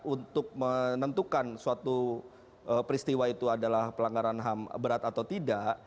untuk menentukan suatu peristiwa itu adalah pelanggaran ham berat atau tidak